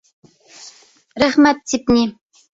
Рәхмәт тип ни...